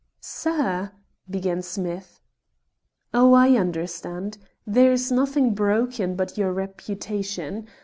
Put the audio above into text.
"Sir " began Smith. "Oh, I understand; there is nothing broken but your reputation.